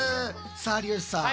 さあ有吉さん。